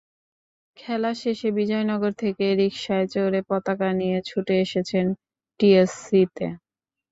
খেলা শেষে বিজয়নগর থেকে রিকশায় চড়ে পতাকা নিয়ে ছুটে এসেছেন টিএসসিতে।